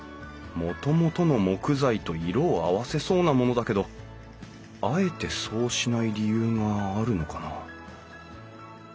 もともとの木材と色を合わせそうなものだけどあえてそうしない理由があるのかな？